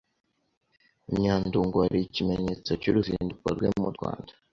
I Nyandungu hari ikimenyetso cy’uruzinduko rwe mu Rwanda